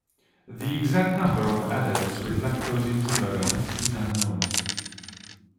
The exact number of adults with lactose intolerance is unknown.